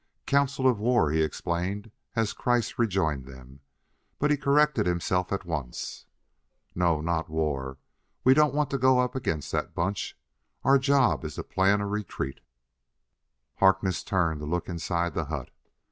"Council of war," he explained as Kreiss rejoined them, but he corrected himself at once. "No not war! We don't want to go up against that bunch. Our job is to plan a retreat." Harkness turned to look inside the hut.